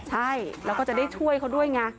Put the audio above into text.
ใช่แล้วก็จะได้ช่วยเขาด้วยไง